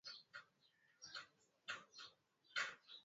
hivyo mwengine ambaye hajapata chakula